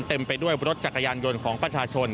ไปด้วยรถจักรยานยนต์ของประชาชน